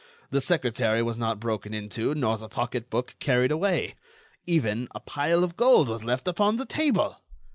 The secretary was not broken into, nor the pocketbook carried away. Even, a pile of gold was left upon the table."